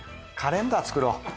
カレンダー作ろう。